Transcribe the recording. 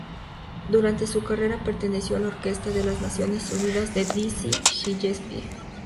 Durante su carrera perteneció a la Orquesta de la Naciones Unidas de Dizzy Gillespie.